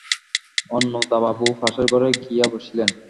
অন্নদাবাবু পাশের ঘরে গিয়া বসিলেন।